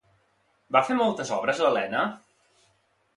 Va fer moltes obres l'Elena?